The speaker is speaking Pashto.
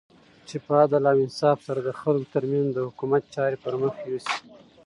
چی په عدل او انصاف سره د خلګو ترمنځ د حکومت چاری پرمخ یوسی